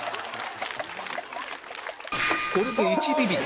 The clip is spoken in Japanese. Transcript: これで１ビビリ